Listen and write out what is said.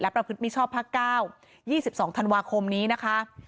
และประพฤติมิชชอบพระเก้า๒๒ธังวาคมนี้นะคะ